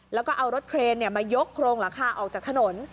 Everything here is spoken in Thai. แล้วก็เอารถเครนมายกโครงหลังคาออกจากถนน